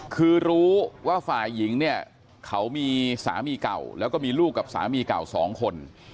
คือรู้ว่าฝ่ายหญิงเนี่ยเขามีสามีเก่าแล้วก็มีลูกกับสามีเก่าสองคน